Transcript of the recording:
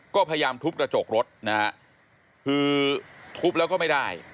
ก็พยายามทุบกระจกรถนะฮะคือทุบแล้วก็ไม่ได้